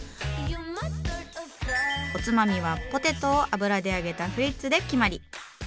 おつまみはポテトを油で揚げた「フリッツ」で決まり。